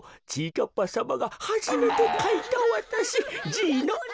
かっぱさまがはじめてかいたわたしじいのえ。